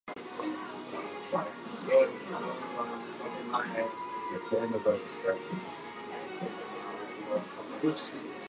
Typical in this regard are the paintings of Don Eddy and Ralph Goings.